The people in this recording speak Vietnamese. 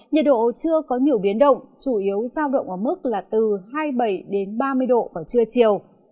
nhiệt độ chưa có nhiều biến động chủ yếu giao động ở mức là từ hai mươi bảy đến ba mươi độ vào trưa chiều